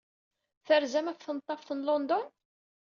Terzam ɣef Tneḍḍaft n London?